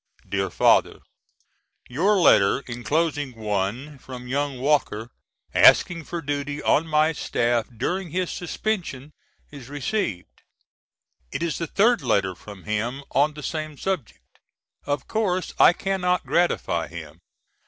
DEAR FATHER: Your letter enclosing one from young Walker asking for duty on my staff during his suspension is received. It is the third letter from him on the same subject. Of course I cannot gratify him.